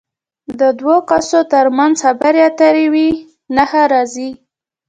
د دوو کسو تر منځ خبرې اترې وي نښه راځي.